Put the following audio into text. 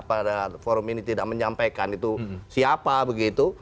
pada forum ini tidak menyampaikan itu siapa begitu